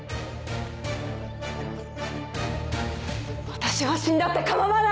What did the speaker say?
私は死んだって構わない！